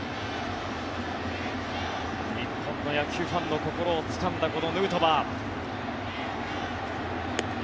日本の野球ファンの心をつかんだこのヌートバー。